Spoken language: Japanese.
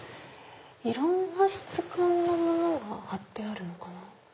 いろんな質感のものが貼ってあるのかな。